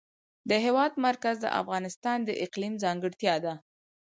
د هېواد مرکز د افغانستان د اقلیم ځانګړتیا ده.